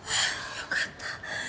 よかった。